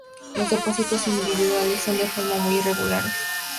Los depósitos individuales son de forma muy irregulares.